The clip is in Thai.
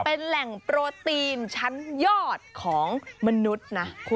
เป็นแหล่งโปรตีนชั้นยอดของมนุษย์นะ